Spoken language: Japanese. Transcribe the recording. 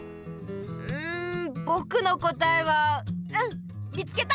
んぼくのこたえはうん見つけた！